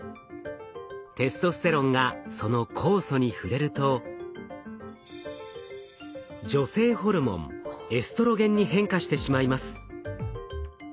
テストステロンがその酵素に触れると女性ホルモンエストロゲンに変化してしまいます。